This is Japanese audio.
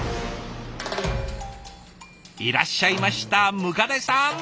いらっしゃいました百足さん。